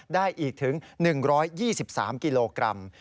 ได้อีกถึง๑๒๓กิโลกรัม